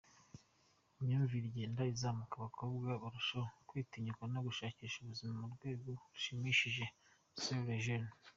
Imyumvire igenda izamuka abakobwa barushaho kwitinyuka no gushakisha ubuzima ku rwego rushimishije” – Soeur Eugenie.